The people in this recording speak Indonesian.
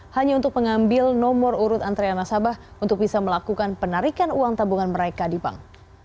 hanya untuk mengambil nomor urut antrean nasabah untuk bisa melakukan penarikan uang tabungan mereka di bank